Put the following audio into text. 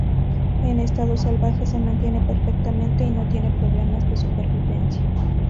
En estado salvaje se mantiene perfectamente y no tiene problemas de supervivencia.